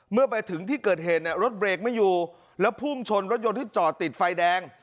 เมื่อไปถึงที่เกิดเหตุเนี่ยรถเบรกไม่อยู่แล้วพุ่งชนรถยนต์ที่จอดติดไฟแดง